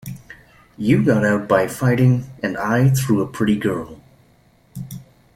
You got out by fighting, and I through a pretty girl.